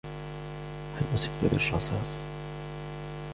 هل أصبت بالرصاص ؟